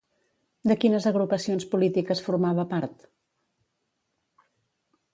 De quines agrupacions polítiques formava part?